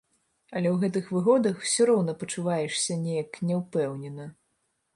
Але ў гэтых выгодах усё роўна пачуваешся неяк няўпэўнена.